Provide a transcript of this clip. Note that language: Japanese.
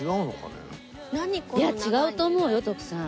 いやあ違うと思うよ徳さん。